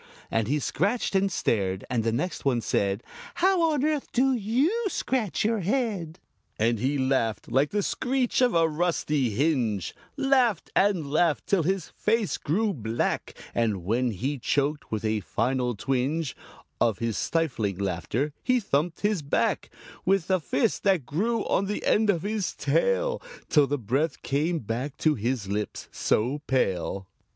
And he scratched and stared, and the next one said "How on earth do you scratch your head?" And he laughed like the screech of a rusty hinge Laughed and laughed till his face grew black; And when he choked, with a final twinge Of his stifling laughter, he thumped his back With a fist that grew on the end of his tail Till the breath came back to his lips so pale.